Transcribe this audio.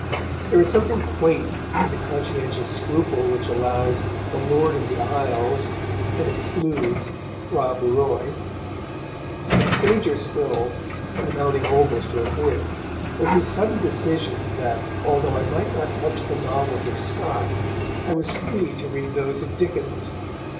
There is something quaint in the conscientious scruple which allows The Lord of the Isles and excludes Rob Roy. But stranger still, and amounting almost to a whim, was his sudden decision that, although I might not touch the novels of Scott, I was free to read those of Dickens.